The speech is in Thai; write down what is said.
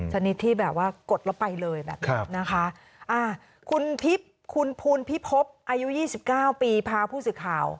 ชนิดที่แบบว่ากดแล้วไปเลยแบบนี้นะคะคุณภูนพิภพอายุ๒๙ปีพาผู้สื่อข่าว